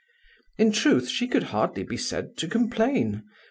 In truth, she could hardly be said to complain.